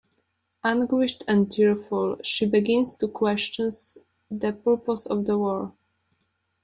Anguished and tearful, she begins to question the purpose of the war.